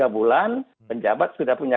tiga bulan penjabat sudah punya